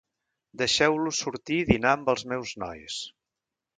Deixeu-los sortir i dinar amb els meus nois.